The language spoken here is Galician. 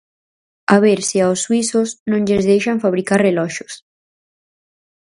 A ver se aos suízos non lles deixan fabricar reloxos!